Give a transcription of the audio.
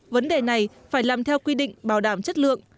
vấn đề này phải làm theo quy định bảo đảm chất lượng